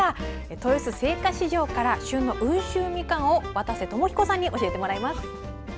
豊洲青果市場から旬の温州みかんを渡瀬智彦さんに教えてもらいます。